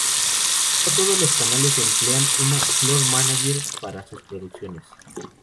No todos los canales emplean a un "floor manager" para sus producciones.